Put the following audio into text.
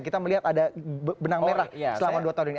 kita melihat ada benang merah selama dua tahun ini